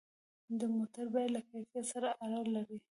د موټر بیه له کیفیت سره اړه لري.